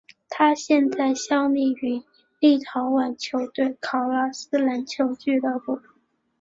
他现在效力于立陶宛球队考纳斯篮球俱乐部。